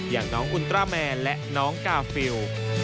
อย่างน้องอุลตราแมนและน้องกาฟิล